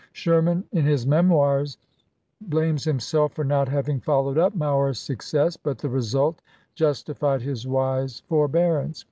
Sherman in his "Memoirs" blames himself for not having p. ao*." followed up Mower's success ; but the result justi fied his wise forbearance.